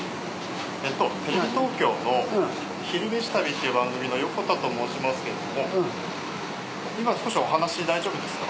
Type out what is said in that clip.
テレビ東京の「昼めし旅」っていう番組の横田と申しますけれども今少しお話大丈夫ですか？